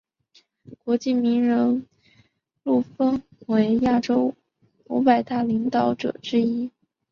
国际名人录封为亚洲五百大领导者之一。